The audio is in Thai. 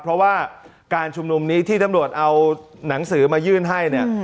เพราะว่าการชุมนุมนี้ที่ตำรวจเอาหนังสือมายื่นให้เนี่ย